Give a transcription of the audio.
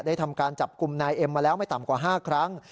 ทำการจับกลุ่มนายเอ็มมาแล้วไม่ต่ำกว่า๕ครั้ง